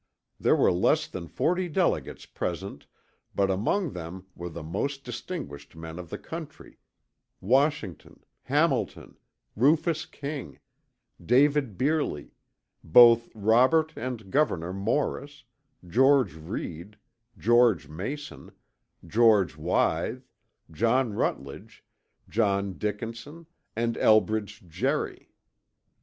There were less than forty delegates present but among them were the most distinguished men of the country; Washington, Hamilton, Rufus King, David Brearly, both Robert and Gouverneur Morris, George Read, George Mason, George Wythe, John Rutledge, John Dickinson and Elbridge Gerry.